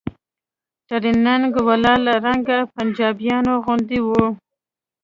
ټرېننگ والا له رنګه پنجابيانو غوندې و.